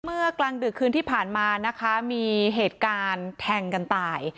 กลางดึกคืนที่ผ่านมานะคะมีเหตุการณ์แทงกันตาย